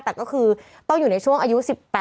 แต่ก็คือต้องอยู่ในช่วงอายุ๑๘